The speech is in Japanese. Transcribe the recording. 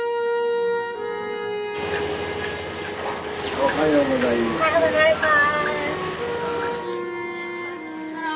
おはようございます。